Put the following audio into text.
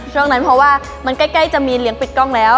ช่วงนั้นเพราะว่ามันใกล้จะมีเลี้ยปิดกล้องแล้ว